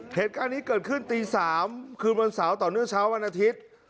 เหตุการณ์นี้เกิดขึ้นตี๓คืนวันเสาร์ต่อเนื่องเช้าวันอาทิตย์